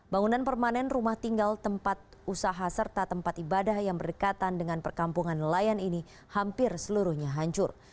bangunan permanen rumah tinggal tempat usaha serta tempat ibadah yang berdekatan dengan perkampungan nelayan ini hampir seluruhnya hancur